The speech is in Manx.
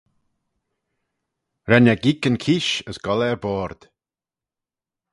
Ren eh geeck yn keesh as goll er-boayrd.